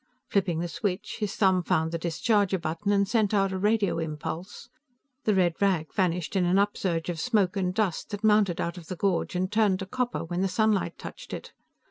Flipping the switch, his thumb found the discharger button and sent out a radio impulse; the red rag vanished in an upsurge of smoke and dust that mounted out of the gorge and turned to copper when the sunlight touched it.